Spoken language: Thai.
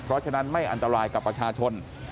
เพราะฉะนั้นไม่อันตรายกับประชาชน